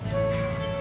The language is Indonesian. abis beli gula